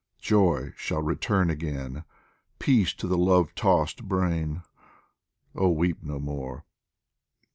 joy shall return again, Peace to the love tossed brain oh, weep no more